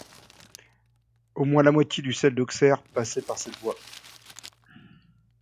Au la moitié du sel d'Auxerre passait par cette voie.